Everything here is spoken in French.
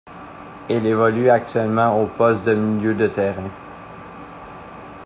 Il évolue actuellement au poste de milieu de terrain.